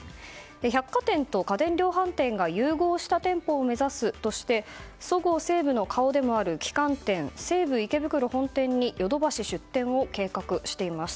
百貨店と家電量販店が融合した店舗を目指すとしてそごう・西武の顔でもある旗艦店西武池袋本店にヨドバシ出店を計画しています。